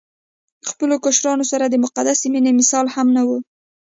خپلو کشرانو سره د مقدسې مينې مثال يې هم نه وو